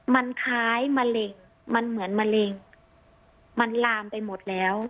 มันคล้ายมะเร็งมันเหมือนมะเร็งมันลามไปหมดแล้ว